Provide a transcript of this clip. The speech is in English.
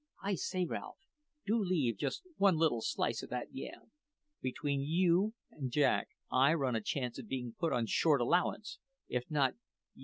I say, Ralph, do leave just one little slice of that yam! Between you and Jack I run a chance of being put on short allowance, if not yei a a ow!"